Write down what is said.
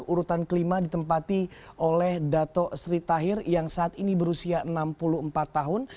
urutan kelima ditempati oleh dato sri tahir yang saat ini berusia enam puluh empat tahun